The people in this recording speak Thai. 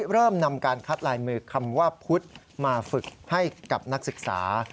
เริ่มนำการคัดลายมือคำว่าพุทธมาฝึกให้กับนักศึกษา